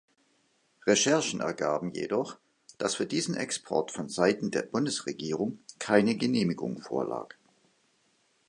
Recherchen ergaben jedoch, dass für diesen Export von Seiten der Bundesregierung keine Genehmigung vorlag.